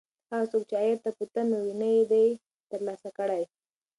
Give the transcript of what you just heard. هغه څوک چې عاید ته په تمه و، نه یې دی ترلاسه کړی.